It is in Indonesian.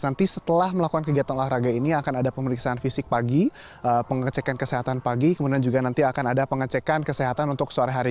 nanti setelah melakukan kegiatan olahraga ini akan ada pemeriksaan fisik pagi pengecekan kesehatan pagi kemudian juga nanti akan ada pengecekan kesehatan untuk sore hari